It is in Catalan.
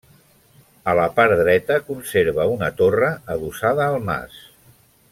A la part dreta conserva una torre adossada al mas.